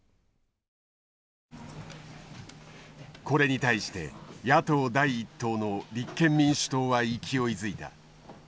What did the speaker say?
これに対して野党第一党の立憲民主党は勢いづいた。